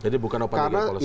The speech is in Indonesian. jadi bukan open legal policy